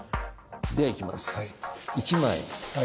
ではいきます。